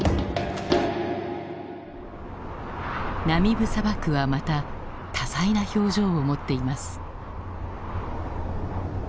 ナミブ砂漠はまた多彩な表情を持っています。